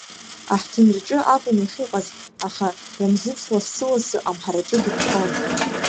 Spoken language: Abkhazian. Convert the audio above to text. Аҳҭынраҿы акәын иахьыҟаз, аха Рамзыц лассы-лассы амҳараҿы дыԥхьон.